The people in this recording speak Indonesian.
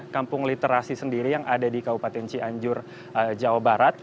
kampung literasi sendiri yang ada di kabupaten cianjur jawa barat